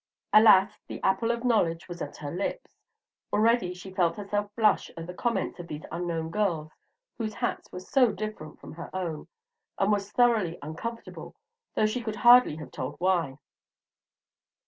Alas! the apple of knowledge was at her lips; already she felt herself blush at the comments of these unknown girls whose hats were so different from her own, and was thoroughly uncomfortable, though she could hardly have told why.